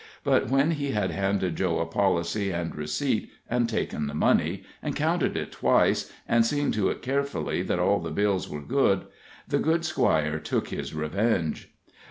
But when he had handed Joe a policy and receipt, and taken the money, and counted it twice, and seen to it carefully that all the bills were good, the good Squire took his revenge.